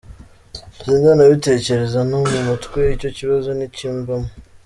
Sindanabitekereza no mu mutwe icyo kibazo ntikimbamo.